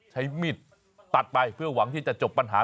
ใช้มีดตัดไปเพื่อหวังที่จะจบปัญหา